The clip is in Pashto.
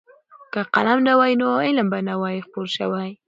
که قلم نه وای نو علم به نه وای خپور شوی.